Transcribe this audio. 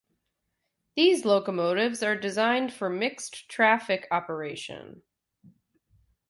These locomotives are designed for mixed traffic operation.